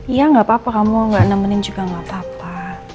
iya nggak apa apa kamu gak nemenin juga nggak apa apa